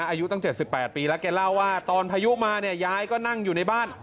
อายุตั้ง๗๘ปีแล้วแกเล่าว่าตอนพายุมาเนี่ยยายก็นั่งอยู่ในบ้าน